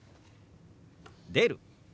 「出る」。